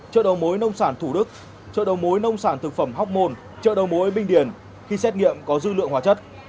chợ đầu mối nông sản thủ đức chợ đầu mối nông sản thực phẩm hóc môn chợ đầu mối binh điền khi xét nghiệm có dư lượng hóa chất